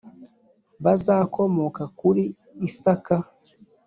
bazakomoka kuri isaka